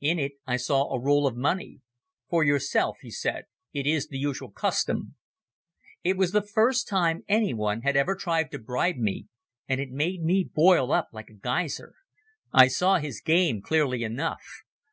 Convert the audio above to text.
In it I saw a roll of money. "For yourself," he said. "It is the usual custom." It was the first time anyone had ever tried to bribe me, and it made me boil up like a geyser. I saw his game clearly enough.